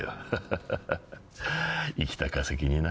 ハハハ生きた化石にな。